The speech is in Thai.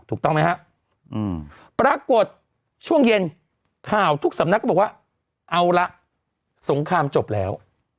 ถูกต้องไหมฮะปรากฏช่วงเย็นข่าวทุกสำนักก็บอกว่าเอาละสงครามจบแล้ว